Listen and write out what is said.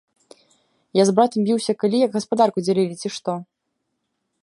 Я з братам біўся калі, як гаспадарку дзялілі, ці што?